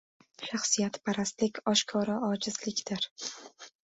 Shaxsiyatparastlik — oshkora ojizlikdir.